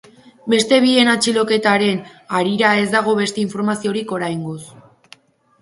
Beste bien atxiloketaren harira ez dago beste informaziorik oraingoz.